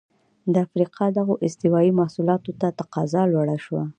د افریقا دغو استوايي محصولاتو ته تقاضا لوړه شوه.